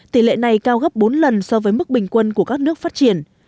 tỷ lệ này cao gấp bốn lần so với mức bình quân của các nước phát triển